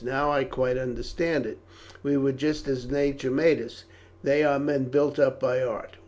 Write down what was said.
Now I quite understand it. We were just as nature made us, they are men built up by art.